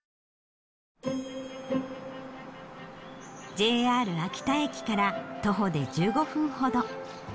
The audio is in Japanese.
ＪＲ秋田駅から徒歩で１５分ほど。